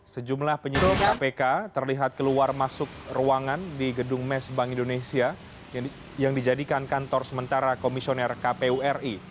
sejumlah penyidik kpk terlihat keluar masuk ruangan di gedung mes bank indonesia yang dijadikan kantor sementara komisioner kpu ri